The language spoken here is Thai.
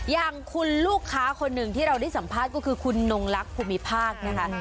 อย่างคุณลูกค้าคนหนึ่งที่เราได้สัมภาษณ์ก็คือคุณนงลักษ์ภูมิภาคนะคะ